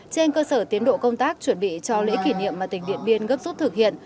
trên cơ sở tiến độ công tác chuẩn bị cho lễ kỷ niệm mà tỉnh điện biên gấp rút thực hiện